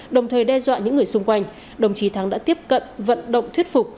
đồng thời đe dọa những người xung quanh đồng chí thắng đã tiếp cận vận động thuyết phục